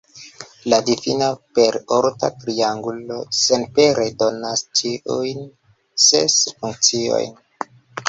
La difino per orta triangulo senpere donas ĉiujn ses funkciojn.